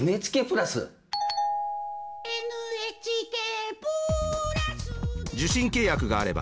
「ＮＨＫプラスで」